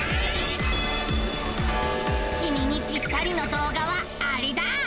きみにぴったりの動画はアレだ！